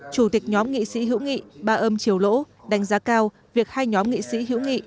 chủ tịch nhóm nghị sĩ hữu nghị ba âm triều lỗ đánh giá cao việc hai nhóm nghị sĩ hữu nghị